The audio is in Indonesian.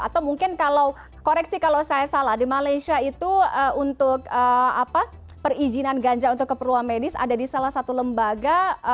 atau mungkin kalau koreksi kalau saya salah di malaysia itu untuk perizinan ganja untuk keperluan medis ada di salah satu lembaga